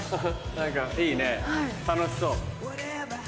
何かいいね楽しそう。